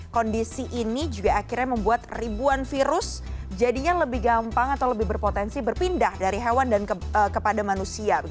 kondisi ini juga akhirnya membuat ribuan virus jadinya lebih gampang atau lebih berpotensi berpindah dari hewan dan kepada manusia